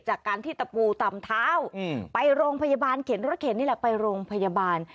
จากการที่ตะปูตำเท้าไปโรงพยาบาลเข็นรถเข็นนี่แหละไปโรงพยาบาล